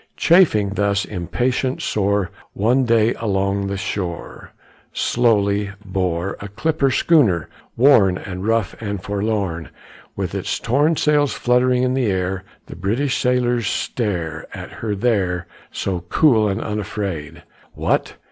Chafing thus, impatient, sore, One day along the shore Slowly bore A clipper schooner, worn And rough and forlorn, With its torn Sails fluttering in the air: The British sailors stare At her there, So cool and unafraid. "What!